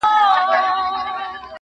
نیمګړي عمر ته مي ورځي د پېغور پاته دي-